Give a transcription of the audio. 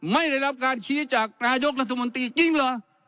ไม่ได้รับการชี้จากนายกรัฐมนตรีจริงเหรอ